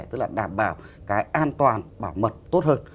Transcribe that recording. tức là đảm bảo cái an toàn bảo mật tốt hơn